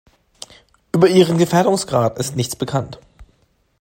Über ihren Gefährdungsgrad ist nichts bekannt.